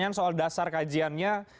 baik bu nadia terakhir